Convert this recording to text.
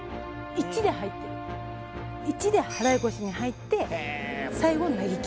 １で払腰に入って最後投げきる。